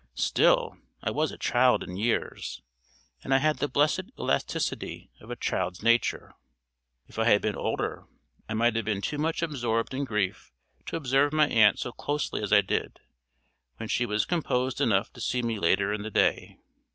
Still I was a child in years, and I had the blessed elasticity of a child's nature. If I had been older I might have been too much absorbed in grief to observe my aunt so closely as I did, when she was composed enough to see me later in the day.